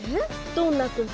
どんな工夫？